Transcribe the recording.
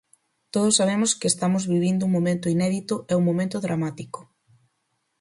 Todos sabemos que estamos vivindo un momento inédito e un momento dramático.